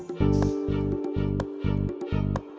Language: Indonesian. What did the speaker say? dan tiada langkah